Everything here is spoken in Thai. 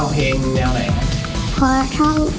ยังเพราะความสำคัญ